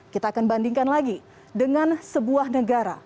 kita akan bandingkan lagi dengan sebuah negara